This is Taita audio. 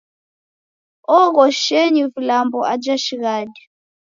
Oghoshenyi vilambo aja shighadi.